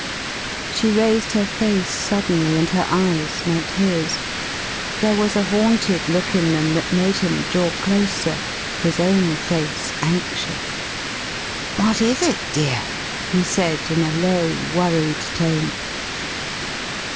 She raised her face suddenly and her eyes met his. There was a haunted look in them that made him draw closer, his own face anxious. "What is it, dear?" he said in a low, worried tone.